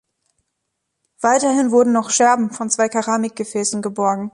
Weiterhin wurden noch Scherben von zwei Keramik-Gefäßen geborgen.